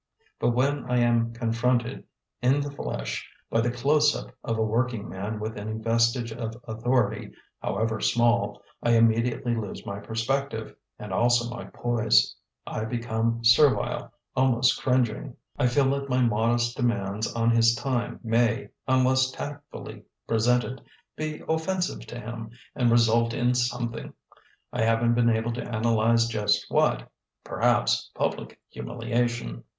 But when I am confronted, in the flesh, by the "close up" of a workingman with any vestige of authority, however small, I immediately lose my perspective and also my poise. I become servile, almost cringing. I feel that my modest demands on his time may, unless tactfully presented, be offensive to him and result in something, I haven't been able to analyze just what, perhaps public humiliation.